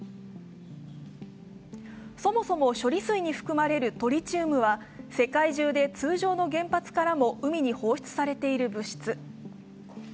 そもそも、処理水に含まれるトリチウムは世界中で通常の原発からも海に放出されている物質。